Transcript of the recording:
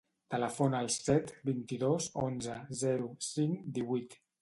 Telefona al set, vint-i-dos, onze, zero, cinc, divuit.